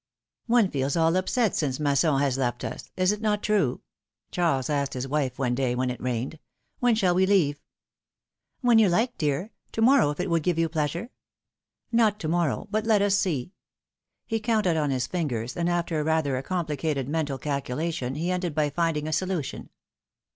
y^NE feels all upset since Masson has left us; is it not true?^^ Charles asked his wife one day when it rained. '^When shall we leave?^^ '^When you like, dear. To morrow, if it would give you ])leasure ! ''Not to morrow, hut let us see!'^ He counted on his fingers, and after rather a complicated mental calculation, he ended by finding a solution.